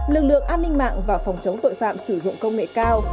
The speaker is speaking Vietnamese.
lực lượng an ninh mạng và phòng chống tội phạm sử dụng công nghệ cao